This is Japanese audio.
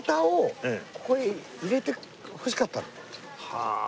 はあ！